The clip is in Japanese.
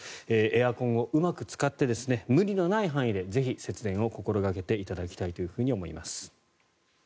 エアコンをうまく使って無理のない範囲でぜひ、節電を心掛けていただきたいと思います。